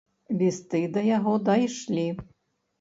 Лісты да яго дайшлі.